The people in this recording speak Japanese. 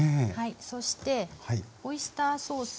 そしてオイスターソース。